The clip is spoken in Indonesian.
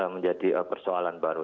menjadi persoalan baru